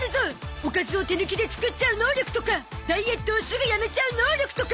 おかずを手抜きで作っちゃう能力とかダイエットをすぐやめちゃう能力とか